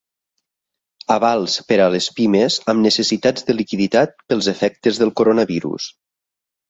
Avals per a les pimes amb necessitats de liquiditat pels efectes del coronavirus.